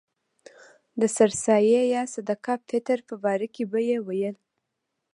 د سر سایې یا صدقه فطر په باره کې به یې ویل.